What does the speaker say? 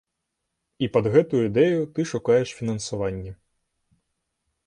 І пад гэтую ідэю ты шукаеш фінансаванне.